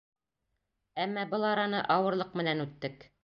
Әммә был араны ауырлыҡ менән үттек.